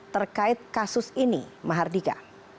terkait kasus ini mahardika